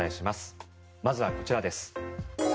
まずはこちらです。